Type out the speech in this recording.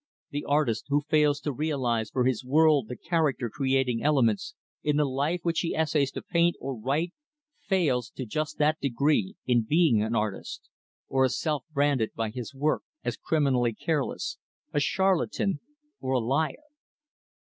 The artist who fails to realize for his world the character creating elements in the life which he essays to paint or write, fails, to just that degree, in being an artist; or is self branded by his work as criminally careless, a charlatan or a liar.